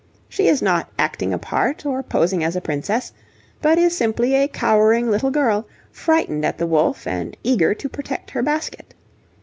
She is not acting a part or posing as a princess, but is simply a cowering little girl, frightened at the wolf and eager to protect her basket.